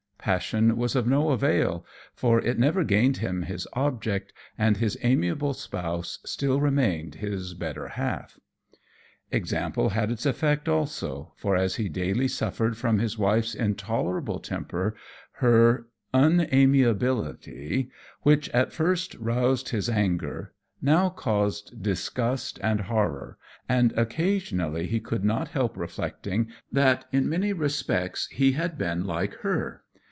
Passion was of no avail, for it never gained him his object, and his amiable spouse still remained his better half. Example had its effect also, for as he daily suffered from his wife's intolerable temper, her unamiability, which at first roused his anger, now caused disgust and horror, and occasionally he could not help reflecting that in many respects he had been like her.